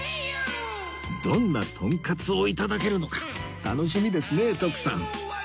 どんなとんかつを頂けるのか楽しみですね徳さん